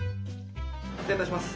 失礼いたします。